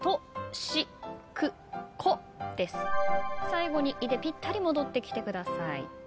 最後に「い」でぴったり戻ってきてください。